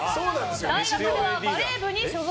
大学ではバレー部に所属。